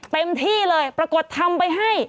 เต็มที่เลยปรากฏทำไปให้